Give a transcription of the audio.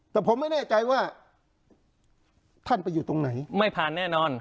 แต่ผมไม่แน่ใจว่าท่านไปอยู่ตรงไหนไม่ผ่านแน่นอน